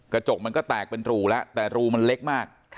กระจกมันก็แตกเป็นรูแล้วแต่รูมันเล็กมาก